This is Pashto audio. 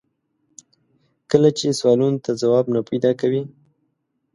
کله چې سوالونو ته ځواب نه پیدا کوي.